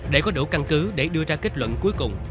để có đủ căn cứ để đưa ra kết luận cuối cùng